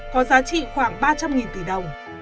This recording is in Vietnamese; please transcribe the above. có giá trị khoảng ba trăm linh tỷ đồng